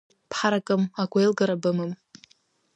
Бҳаракым, агәеилгара бымам.